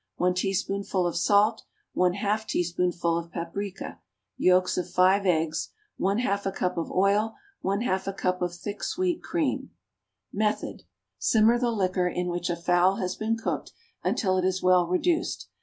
1 teaspoonful of salt. 1/2 a teaspoonful of paprica. Yolks of 5 eggs. 1/2 a cup of oil. 1/2 a cup of thick, sweet cream. Method. Simmer the liquor in which a fowl has been cooked, until it is well reduced.